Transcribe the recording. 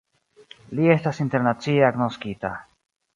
Li estas internacie agnoskita.